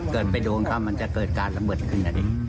เกิดไปดวงเข้ามันจะเกิดการละเมิดขึ้น